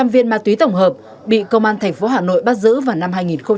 năm trăm linh viên ma túy tổng hợp bị công an thành phố hà nội bắt giữ vào năm hai nghìn một mươi bốn